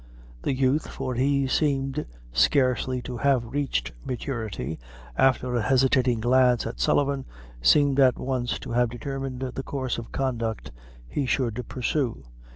The youth, for he seemed scarcely to have reached maturity, after a hesitating glance at Sullivan, seemed at once to have determined the course of conduct he should pursue.